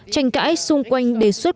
tranh cãi xung quanh đề xuất